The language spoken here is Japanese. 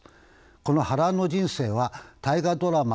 この波乱の人生は大河ドラマ